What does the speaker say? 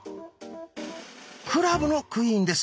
クラブのクイーンです。